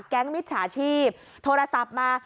แก๊งมิตรฉาชีพโทรศัพท์มา